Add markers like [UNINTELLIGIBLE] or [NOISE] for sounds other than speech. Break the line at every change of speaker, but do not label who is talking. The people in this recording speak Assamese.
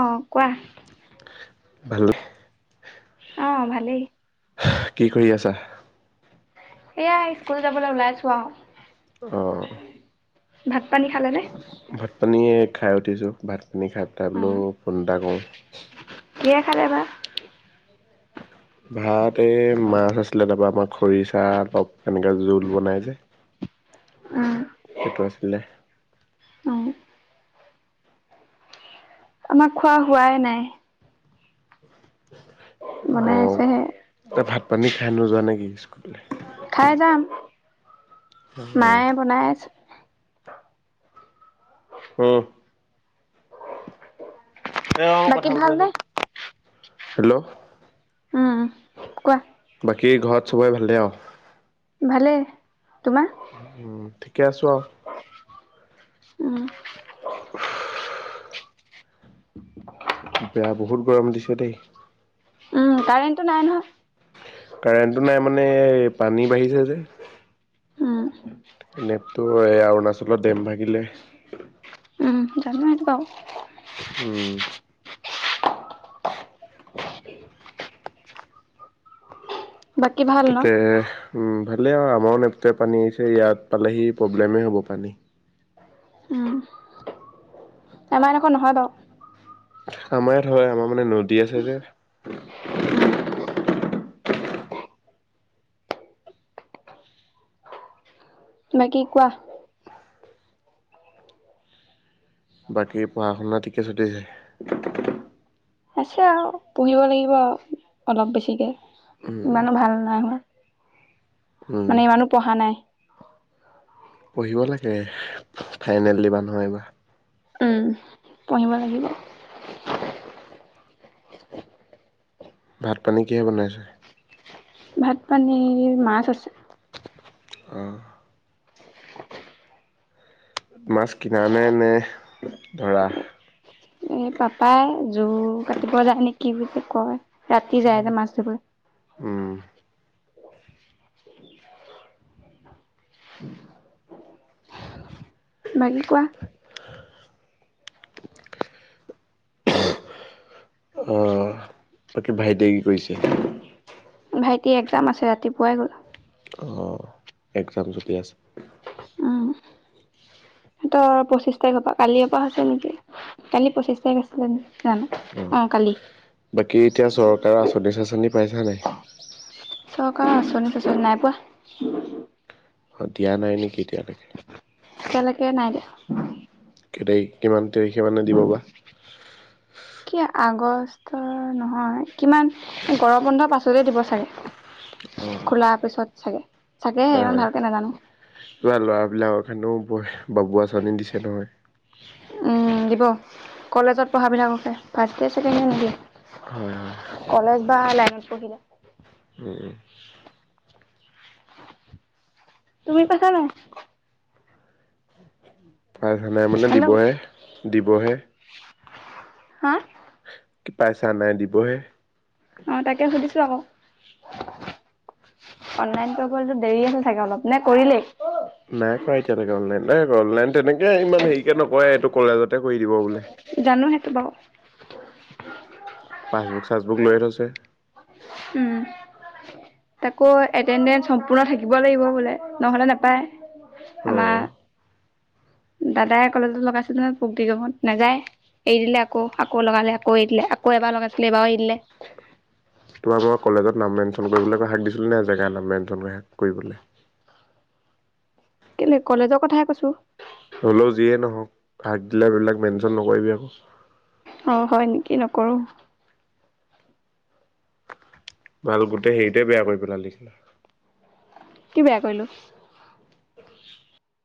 অ, কোৱা।
হেল্লো,
অ ভালেই।
কি কৰি আছা?
এয়া স্কুল যাবলৈ ওলাই আছো আও
অ।
ভাত পানী খালে নে?
ভাত পানী খাই উঠিছো ভাত পানী খায়েই
অ
বোলো ফোন এটা কৰো।
কিহে খালে বা?
ভাত এই মাছ আছিলে তাপা আমাৰ খৰিচা অলপ এনেকে জোল বনাই যে
অ
সেইটো আছিলে,
অ। আমাৰ খোৱা হোৱাই নাই।
অ
বনাই আছেহে
এ ভাত পানী খাই নোযোৱা নেকি স্কুললৈ?
খাই যাম,
অ
মায়ে বনাই আছে।
ওম। এ অ
বাকী
কথা পাতি
ভালনে
আছোঁ। হেল্ল',
উম কোৱা।
বাকী ঘৰত চবৰে ভালেই আৰু
ভালে।
উম ঠিকে আছো আও।
উম।
[UNINTELLIGIBLE] বেয়া বহুত গৰম দিছে দেই।
উম কাৰেণ্টটো নাই নহয়।
কাৰেণ্টটো নাই মানে পানী বাঢ়িছে যে।
উম।
নেপতো এই অৰুণাচলত ডেম ভাগিলে।
উম জানো সেইটো বাও।
উম।
বাকী ভাল ন
ততে উম। ভালে আৰু আমাৰো নেপকে পানী আহছে ইয়াত পালেহি প্ৰব্লেমে হ'ব পানী।
এবাৰ এনেকুৱা নহয় বাও।
আমাৰ ইয়াত হয় আমাৰ মানে নদী আছে যে।
[UNINTELLIGIBLE] বাকী কোৱা।
বাকী পঢ়া শুনা ঠিকে চলি আছে।
আছে আও পহিব লাগিব আও অলপ বেছিকে
উম।
ইমানো ভাল নাই হোৱা।
উম
মানে ইমানো পঢ়া নাই।
পঢ়িব লাগে ফাইনেল দিবা নহয় এবা।
উম পঢ়িব লাগিব।
ভাত পানী কিহে বনাইছে।
ভাত পানীৰ মাছ আছে।
অ। মাছ কিনা নে নে ধৰা।
এই পাপাই জো কাটিব যায় নে কি ক। ৰাতি যায় যে মাছ ধৰিব।
উম
[UNINTELLIGIBLE]
[UNINTELLIGIBLE]
বাকি কোৱা।
[UNINTELLIGIBLE] অহ বাকী ভাইটিয়ে কি কৰিছে?
ভাইটি একজাম আছে ৰাতিপুৱাই গ'ল।
অ একজাম যটি আছে।
সিতৰ পঁচিশ তাৰিখ পৰা কালিৰ পৰা হৈছে নেকি কালি পঁচিশ তাৰিখ আছিলে ন।
অ বাকী এতিয়া চৰকাৰৰ আচনি চাচনি পাইচা নাই?
অ আচনি চাচনি নাই পোৱা।
অ দিয়া নাই নেকি এতিয়ালৈকে।
এতিয়ালেকে নাই দিয়া।
দে কিমান তাৰিখে মানে দিব বা।
গষ্ট নহয় কিমান গৰম বন্ধ পাছতে দিব চাগে।
অ।
খোলাৰ পিছত চাগে। চাগেহে
হয়
ইমান
হয়
ভালকে নাজানো
কিবা লৰাবিলাকক হেনো বাবু আচনি দিছে নহয়।
উম দিব কলেজত পঢ়াাবিলাককহে ফাৰ্ষয়ে ছেকেণ্ড ইয়ে
হয় হয়
নিদিয়ে কলেজ বা লাই নত পহিলে।
উম।
তুমি পাইছা নাই?
পোৱাই নাই মানে
হেল্ল'
দিবহে দিবহে।
হা
কি পাইচা নাই? দিবহে।
অনলাইনলেতো দেৰি আছে চাগে অলপ নে কৰিলেই?
নাই কৰা এতিয়ালৈকে অনলাইন নাই কৰা অনলাইন তেনেকে ইমান হেৰি কে নকয় এইটো কলেজত
জানো সেইটো বাৰু
পাছবুক চাচবুক লৈ থৈছে। [INAUDIBLE]
তাকৌ এটেনডেঞ্চ সম্পূৰ্ণ থাকিব লাগিব বোলে নহলে নাপায়।
অ
আমাৰ দাদাই কলেজত লগাইছিলে নহয় পগ দিগমত নাযায়। এৰি দিলে আকৌ আকৌ লগালে আকৌ এৰি দিলে আকৌ এবাৰ লগাইছিলে এবাৰ এৰি দিলে।
তোমাৰ মই কলেজত নাম মেনশ্যন কৰিবলৈ হাক দিছিলো নাই জেগাৰ নাম মেনচন কৰিবলৈ
কেলে কলেজৰ কথাহে কৈছো।
হলেও যিয়ে নহওক ভাগ দিলা বিলাক মেনচন নকৰিবি আকৌ।
অ হয় নেকি নকৰো।
বাল গোটেই হেৰিটোয়ে বেয়া কৰি পেলালি।
কি বেয়া কৰিলো?